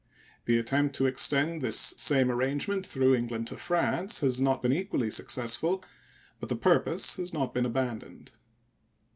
The attempt to extend this same arrangement through England to France has not been equally successful, but the purpose has not been abandoned.